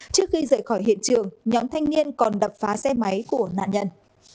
trước khi rời khỏi hiện trường nhóm thanh niên còn đập phá xe máy của nạn nhân